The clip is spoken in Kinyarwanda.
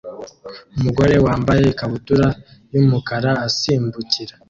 Umugabo wambaye ikabutura yumukara asimbukira